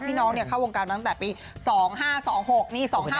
พี่น้องเข้าวงจันทร์ตั้งแต่ปี๒๕๒๖